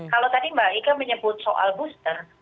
kalau tadi mbak ika menyebut soal booster